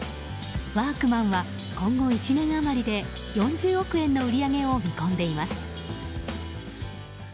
ワークマンは今後１年余りで４０億円の売り上げを見込んでいます。